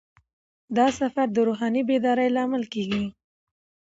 دا سفر د روحاني بیدارۍ لامل کیږي.